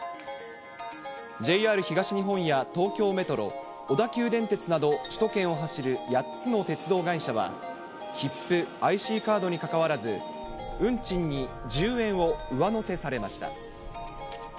ＪＲ東日本や東京メトロ、小田急電鉄など首都圏を走る８つの鉄道会社は、切符、ＩＣカードにかかわらず、運賃に１０円を上乗せされました。